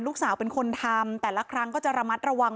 ลูกสาวเป็นคนทำแต่ละครั้งก็จะระมัดระวัง